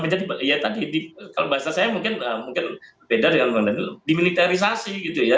ya tadi kalau bahasa saya mungkin beda dengan dimiliterisasi gitu ya